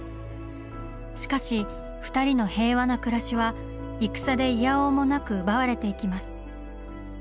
しかし二人の平和な暮らしは戦でいやおうもなく奪われていきます。